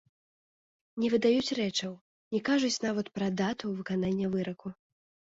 Не выдаюць рэчаў, не кажуць нават пра дату выканання выраку.